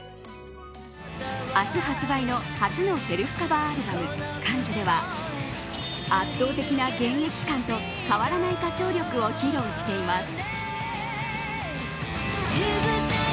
明日発売の初のセルフカバーアルバム「感受」では圧倒的な現役感と変わらない歌唱力を披露しています。